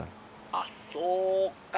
「あっそうか！